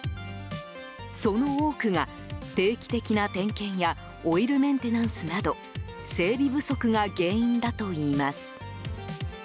その多くが定期的な点検やオイルメンテナンスなど整備不足が原因だといいます。